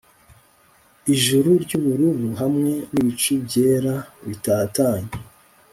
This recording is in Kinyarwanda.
ijuru ry'ubururu hamwe n'ibicu byera bitatanye